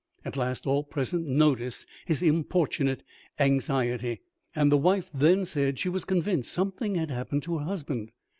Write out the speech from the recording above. At last all present noticed his importunate anxiety, and the wife then said she was convinced something had happened to her husband.